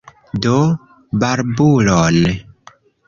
Do barbulon!